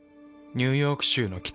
ニューヨーク州の北。